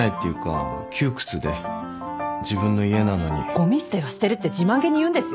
「ごみ捨てはしてる」って自慢げに言うんですよ。